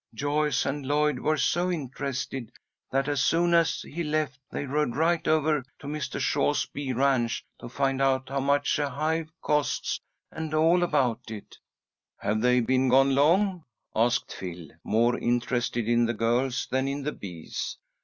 Joyce and Lloyd were so interested that, as soon as he left, they rode right over to Mr. Shaw's bee ranch to find out how much a hive costs, and all about it." "Have they been gone long?" asked Phil, more interested in the girls than in the bees.